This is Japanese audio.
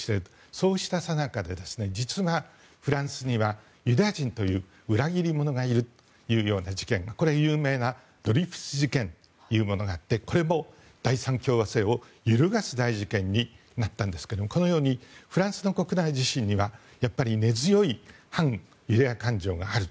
そうしたさなかで実は、フランスにはユダヤ人という裏切り者がいるという事件が、これは有名な事件があってこれも揺るがす大事件となったんですがこのようにフランスの国内には根強い反ユダヤ感情がある。